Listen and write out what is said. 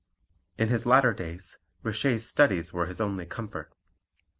In his latter days Richer's studies were his only comfort.